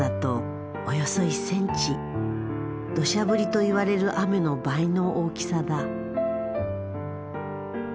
どしゃ降りといわれる雨の倍の大きさだ。